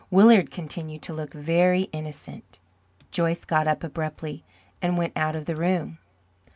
Willard continued to look very innocent. Joyce got up abruptly and went out of the room.